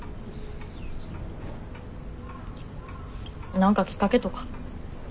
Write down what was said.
何かきっかけとか？